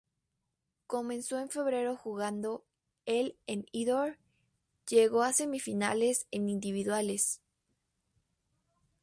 Comenzó febrero jugando el en indoor, llegó a las semifinales en individuales.